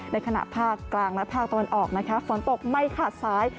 ในขณะภาคกลางและภาคตะวันออกนะคะฝนตกไม่ขาดซ้าย